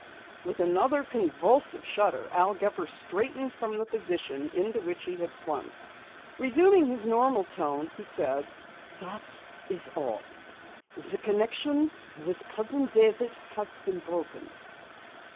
With another convulsive shudder, Al Gepper straightened from the position into which he had slumped. Resuming his normal tone he said: "That is all. The connection with Cousin David has been broken."